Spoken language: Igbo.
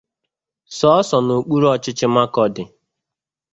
sọọsọ n’okpuru ọchịchị Makurdi